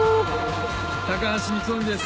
高橋光臣です